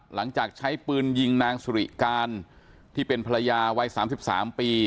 หลังจากใช้ปืนยิงนางสุริการที่เป็นภรรยาวัย๓๓ปี